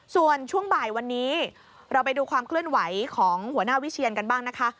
ส่วนช่วงบ่ายวันนี้เราไปดูความเคลื่อนไหวของหัวหน้าวิเชียนกันบ้างนะคะ